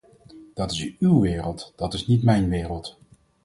Dat is uw wereld, dat is niet mijn wereld.